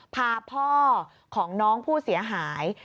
พาพ่อของน้องผู้เสียหาย